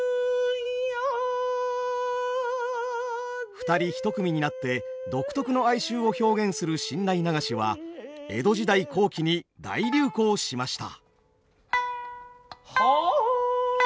二人一組になって独特の哀愁を表現する新内流しは江戸時代後期に大流行しました。